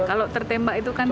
kalau tertembak ada dua orang